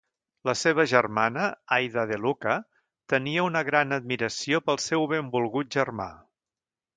La seva Germana, Aida De Lucca tènia una gran admiració pel seu benvolgut germà.